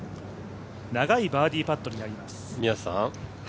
長いバーディーパットになります。